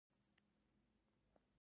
آیا ایران د وچو میوو لوی بازار نلري؟